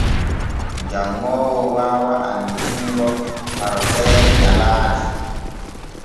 Janŋoowo waawa annitingo harfeere nyalaane.